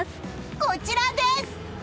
こちらです！